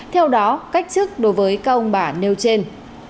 theo đó cách chức đối với các ông bà nêu trên